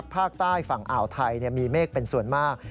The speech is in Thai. ภาคใต้ฝั่งอ่าวไทยมีเมฆเป็นส่วนมาก